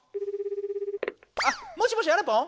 あっもしもしあらぽん？